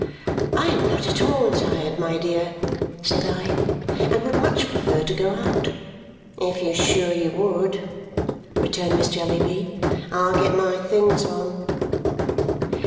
"I am not at all tired, my dear," said I, "and would much prefer to go out." "If you're sure you would," returned Miss Jellyby, "I'll get my things on."